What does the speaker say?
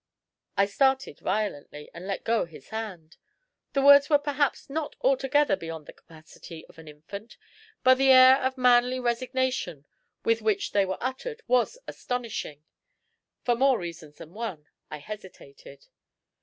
I started violently, and let go his hand. The words were perhaps not altogether beyond the capacity of an infant; but the air of manly resignation with which they were uttered was astonishing. For more reasons than one, I hesitated.